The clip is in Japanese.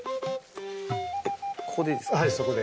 ここでいいですか。